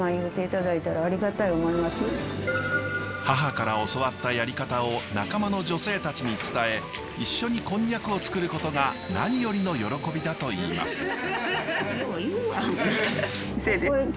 母から教わったやり方を仲間の女性たちに伝え一緒にコンニャクをつくることが何よりの喜びだといいます。